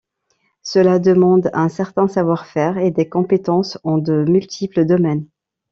Cela demande un certain savoir-faire et des compétences en de multiples domaines.